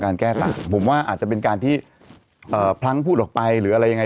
แก้ต่างผมว่าอาจจะเป็นการที่เอ่อพลั้งพูดออกไปหรืออะไรยังไง